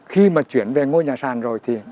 khi mà chuyển về ngôi nhà sàn rồi thì